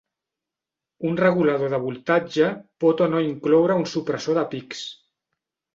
Un regulador de voltatge pot o no incloure un supressor de pics.